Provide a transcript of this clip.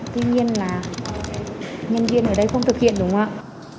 tuy nhiên là nhân viên ở đây không thực hiện đúng không ạ